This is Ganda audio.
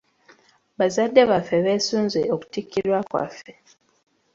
Bazadde baffe beesunze okutikkirwa kwaffe.